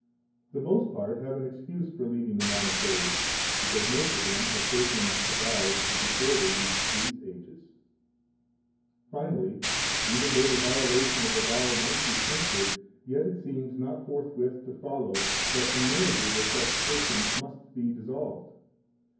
The most part have an excuse for leaving the monasteries, because most of them have taken the vows before they reached these ages. 34 Finally, even though the violation of a vow might be censured, yet it seems not forthwith to follow that the marriages of such persons must be dissolved.